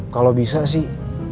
kalau bisa sih